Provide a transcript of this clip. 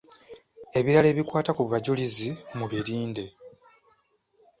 Ebirala ebikwata ku bajulizi mubirinde.